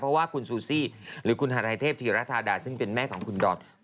เพราะว่าคุณซูซี่หรือคุณฮาไทเทพธีรธาดาซึ่งเป็นแม่ของคุณดอน